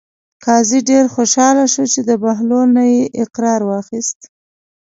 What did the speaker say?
قاضي ډېر خوشحاله شو چې د بهلول نه یې اقرار واخیست.